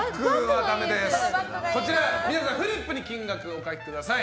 こちらフリップに金額をお書きください。